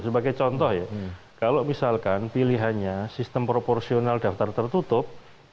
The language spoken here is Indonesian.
sebagai contoh ya kalau misalkan pilihannya sistem proporsional daftar tertutup itu ada yang berpengaruh